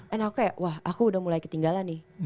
and aku kayak wah aku udah mulai ketinggalan nih